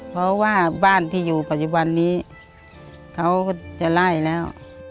เพราะว่าบ้านที่อยู่ปัจจุบันนี้เขาก็จะไล่แล้ว